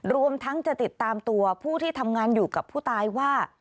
รวมทั้งจะติดตามตัวผู้ที่ทำงานอยู่กับผู้ตายว่า